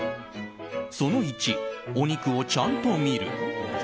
その１、お肉をちゃんと見る。